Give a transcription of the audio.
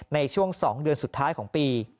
ในช่วง๒เดือนสุดท้ายของปี